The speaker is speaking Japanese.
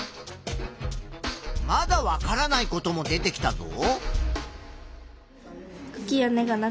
まだわからないことも出てきたぞ。